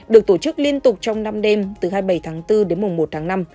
được tổ chức liên tục trong năm đêm từ hai mươi bảy tháng bốn đến mùng một tháng năm